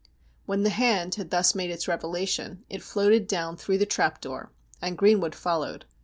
When the hand had thus made its revelation it floated down through the trap door and Greenwood followed.